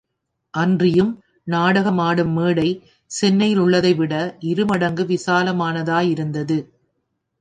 அன்றியும் நாடகமாடும் மேடை சென்னையிலுள்ளதைவிட, இரு மடங்கு விசாலமானதாயிருந்தது.